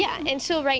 ya dan sekarang